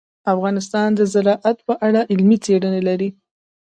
افغانستان د زراعت په اړه علمي څېړنې لري.